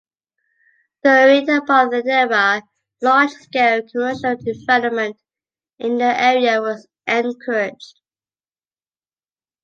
During the apartheid era, large-scale commercial development in the area was encouraged.